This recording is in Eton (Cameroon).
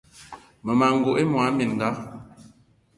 Mmema n'gogué mona mininga